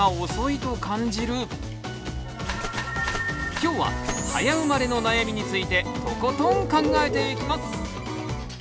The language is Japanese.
今日は「早生まれの悩み」についてとことん考えていきます！